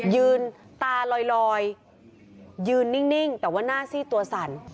ยืนตาลอยยืนนิ่งแต่ว่าหน้าซี่ตัวสั่น